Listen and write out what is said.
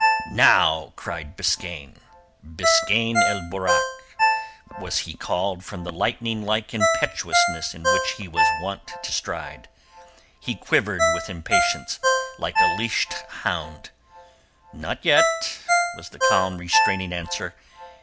"Now!" cried Biskaine—Biskaine el Borak was he called from the lightning like impetuousness in which he was wont to strike. He quivered with impatience, like a leashed hound. "Not yet," was the calm, restraining answer.